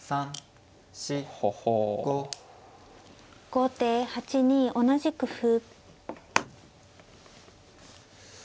後手８二同じく歩。